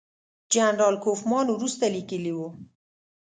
جنرال کوفمان وروسته لیکلي وو.